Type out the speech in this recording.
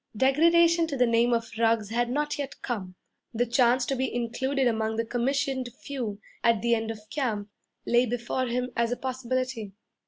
Degradation to the name of Ruggs had not yet come; the chance to be included among the commissioned few at the end of camp lay before him as a possibility.